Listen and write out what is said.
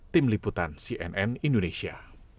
tim liputan cnn indonesia